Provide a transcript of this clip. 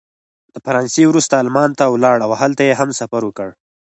د فرانسې وروسته المان ته ولاړ او هلته یې هم سفر وکړ.